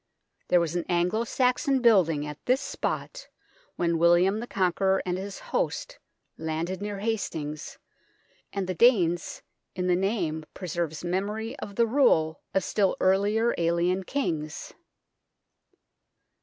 There was an Anglo Saxon building at this spot when William the Conqueror and his host landed near Hastings, and the " Danes " in the name preserves memory of the rule of still earlier alien kings.